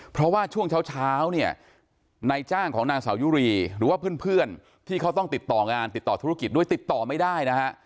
เพราะว่าช่วงเช้าเนี่ยนายจ้างของนางสาวยุรีหรือว่าเพื่อนที่เขาต้องติดต่องานติดต่อธุรกิจด้วยติดต่อไม่ได้นะฮะ